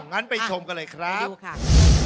งั้นไปชมกันเลยครับไปดูค่ะครับ